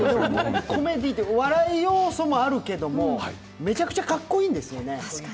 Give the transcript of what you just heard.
コメディーで笑い要素もあるけれども、めちゃくちゃかっこいいんですよね。